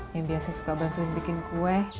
yang biasa suka bantuin bikin kue